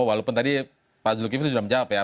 walaupun tadi pak zulkifli sudah menjawab ya